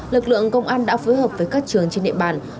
lực lượng công an đã phối hợp với các trường trên địa bàn